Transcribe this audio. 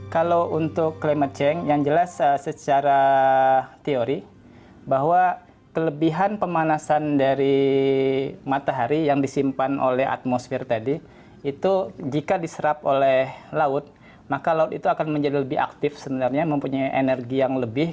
kalau untuk climate change yang jelas secara teori bahwa kelebihan pemanasan dari matahari yang disimpan oleh atmosfer tadi itu jika diserap oleh laut maka laut itu akan menjadi lebih aktif sebenarnya mempunyai energi yang lebih